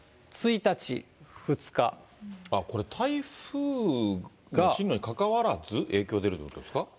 １日、これ、台風の進路にかかわらず影響出るということですか。